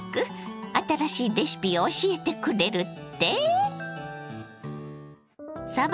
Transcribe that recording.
新しいレシピを教えてくれるって？